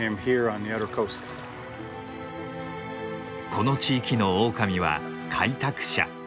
この地域のオオカミは「開拓者」。